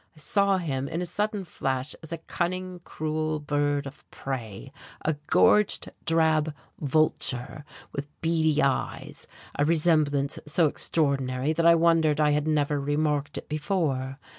I saw him in a sudden flash as a cunning, cruel bird of prey, a gorged, drab vulture with beady eyes, a resemblance so extraordinary that I wondered I had never remarked it before.